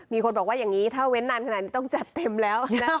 มีคนบอกว่าอย่างนี้ถ้าเว้นนานขนาดนี้ต้องจัดเต็มแล้วนะ